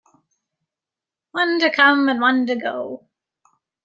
One to come, and one to go.